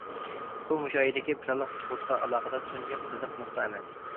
بۇ مۇشۇ ئايدىكى پىلانلىق تۇغۇتقا ئالاقىدار تۇنجى قىزىق نۇقتا ئەمەس.